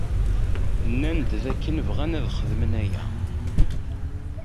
Nnan-d dakken bɣan ad xedmen aya.